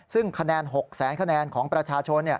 ซึ่งคะแนน๖แสนคะแนนของประชาชน